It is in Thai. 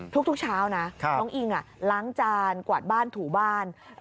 ทุกเช้านะน้องอิงล้างจานกวาดบ้านถูบ้าน